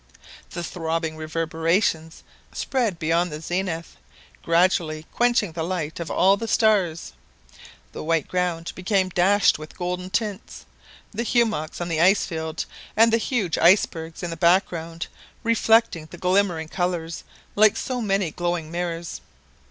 The throbbing reverberations spread beyond the zenith, gradually quenching the light of all the stars. The white ground became dashed with golden tints, the hummocks on the ice field and the huge icebergs in the background reflecting the glimmering colours like so many glowing mirrors.